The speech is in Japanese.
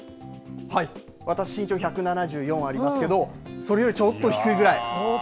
私、身長１７４ありますけど、それよりちょっと低いぐらい。